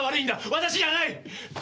私じゃない！